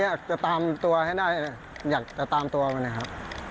อยากจะตามตัวให้ได้อยากจะตามตัวมันนะครับ